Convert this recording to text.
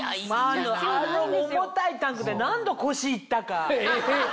あの重たいタンクで何度腰いったかうぅってもう。